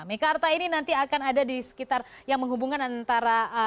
mekarta ini nanti akan ada di sekitar yang menghubungkan antara